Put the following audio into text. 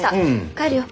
帰るよ。